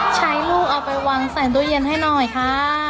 ใช้ลูกเอาไปวางใส่ตู้เย็นให้หน่อยค่ะ